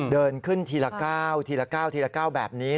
เดินขึ้นทีละก้าวทีละก้าวทีละก้าวแบบนี้